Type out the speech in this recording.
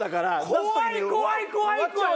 怖い怖い怖い怖い！